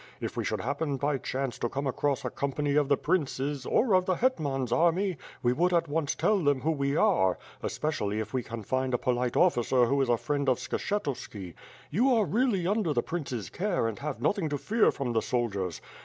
If we should happen by dhance to come across a company of the prince's, or of the hetman's army, we would at once tell them who we are, especially if we can find a polite officer who is a friend of Skshetuski. You are really under the prince's care and have nothing to fear from the soldiers.